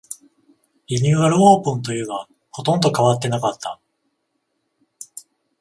リニューアルオープンというが、ほとんど変わってなかった